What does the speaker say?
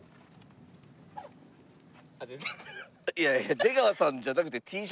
いやいや出川さんじゃなくて。